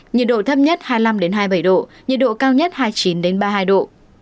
nhiệt độ thấp nhất hai mươi năm hai mươi bảy độ nhiệt độ cao nhất hai mươi chín ba mươi hai độ